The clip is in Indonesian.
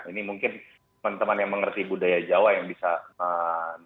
ini mungkin teman teman yang mengerti budaya jawa yang bisa mengembangkan